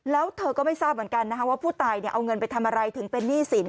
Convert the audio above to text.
แล้วเธอก็ไม่ทราบเหมือนกันนะคะว่าผู้ตายเอาเงินไปทำอะไรถึงเป็นหนี้สิน